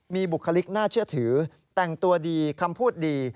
มีบุคลิกน่าเชื่อถือแต่งตัวดีคำพูดดี